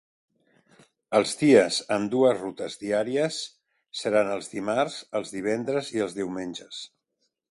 Els dies amb dues rutes diàries seran els dimarts, els divendres i els diumenges.